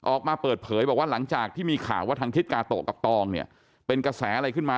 ออกมาเปิดเผยบอกว่าหลังจากที่มีข่าวว่าทางทิศกาโตะกับตองเนี่ยเป็นกระแสอะไรขึ้นมา